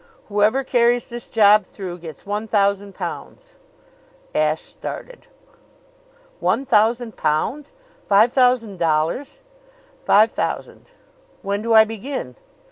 Whoever carries this job through gets one thousand pounds." Ashe started. "One thousand pounds five thousand dollars!" "Five thousand." "When do I begin?"